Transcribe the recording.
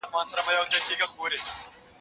هيچا دا ګمان هم نسو کولای.